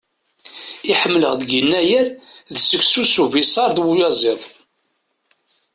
I ḥemmleɣ deg Yennayer, d seksu s ubisaṛ d uyaziḍ.